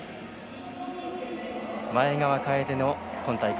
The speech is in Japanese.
前川楓の今大会